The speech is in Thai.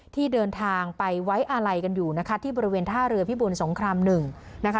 ที่เดินทางไปไว้อาลัยกันอยู่นะคะที่บริเวณท่าเรือพิบูลสงคราม๑นะคะ